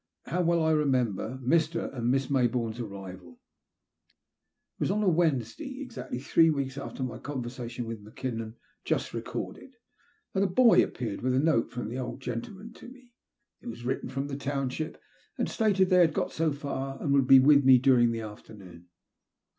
How well I remember Mr. and Miss Mayboume*8 arrival I It was on a Wednesday, exactly three weeks after my conversation wdth Mackinnon just recorded, that a boy appeared with a note from the old gentle man to me. It was written from the township, and stated that they had got so far and would be with me during the afternoon.